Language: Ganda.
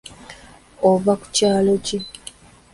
Ova ku kyalo ki?